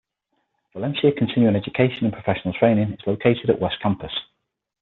Valencia Continuing Education and Professional Training is located at West Campus.